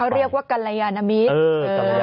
เขาเรียกว่ากรรยานมิตร